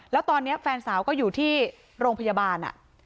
แล้วตอนนี้แฟนสาวก็อยู่ที่โรงพยาบาล